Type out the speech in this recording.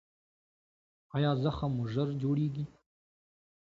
ایا زخم مو ژر جوړیږي؟